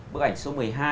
bức ảnh số một mươi hai